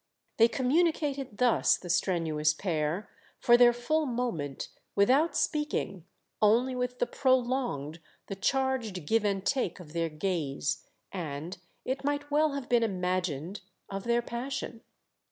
They communicated thus, the strenuous pair, for their full moment, without speaking; only with the prolonged, the charged give and take of their gaze and, it might well have been imagined, of their passion.